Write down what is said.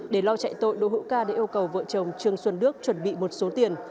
để lo chạy tội đỗ hữu ca đã yêu cầu vợ chồng trương xuân đức chuẩn bị một số tiền